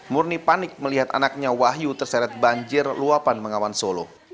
murni panik melihat anaknya wahyu terseret banjir luapan mengawan solo